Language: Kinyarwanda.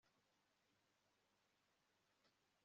ntabwo ndambiwe gukomera amashyi